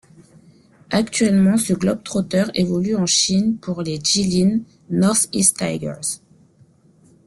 Actuellement, ce globe-trotter évolue en Chine pour les Jilin Northeast Tigers.